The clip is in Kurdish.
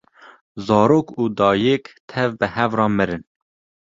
zarok û dayîk tev bi hev re mirin